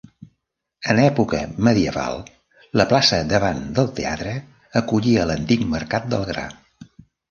En època medieval, la plaça davant del teatre acollia l'antic mercat del gra.